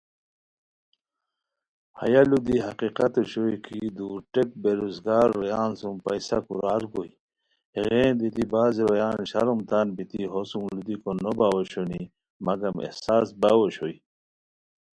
ہیہ لُو دی حقیقت اوشوئے کی دُورتیک بے روزگار رویان سُم پیسہ کورار گوئے، ہیغین دیتی بعض رویان شرم تان بیتی ہو سُم لُودیکو نو باؤ اوشونی مگم احساس باؤ اوشوئے